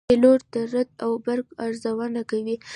پیلوټ د رعد او برق ارزونه کوي.